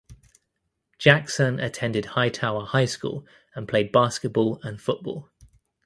Jackson attended Hightower High School and played basketball and football.